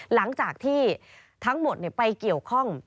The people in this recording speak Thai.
หลังจากที่ทั้งหมดไปเกี่ยวข้อง